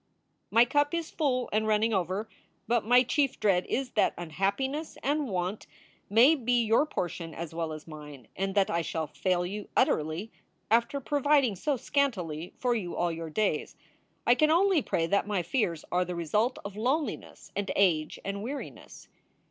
My cup is full and running over, but my chief dread is that unhappiness and want may be your portion as well as mine, and that I shall fail you utterly after providing so scantily for you all your days. I can only pray that my fears are the result of loneliness and age and weariness.